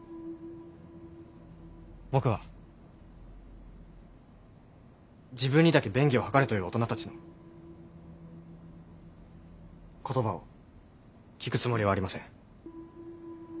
僕は自分にだけ便宜を図れという大人たちの言葉を聞くつもりはありません。